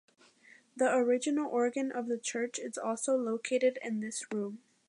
The original organ of the church is also located in this room.